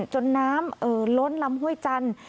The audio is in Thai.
จนน้ำล้นลำห้วยจันทร์